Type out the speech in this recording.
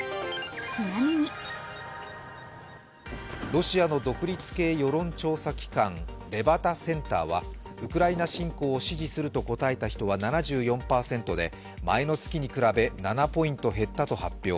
ロシアの独立系世論調査機関・レバダセンターは、ウクライナ侵攻を支持すると答えた人は７４％で前の月に比べ７ポイント減ったと発表。